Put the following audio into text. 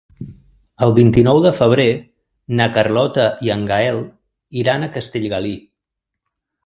El vint-i-nou de febrer na Carlota i en Gaël iran a Castellgalí.